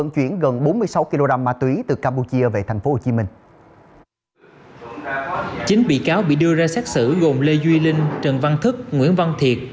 chín bị cáo bị đưa ra xét xử gồm lê duy linh trần văn thức nguyễn văn thiệt